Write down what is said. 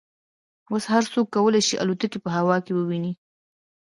اوس هر څوک کولای شي الوتکې په هوا کې وویني